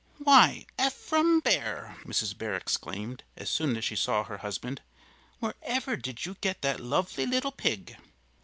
"Why, Ephraim Bear!" Mrs. Bear exclaimed, as soon as she saw her husband. "Wherever did you get that lovely little pig?"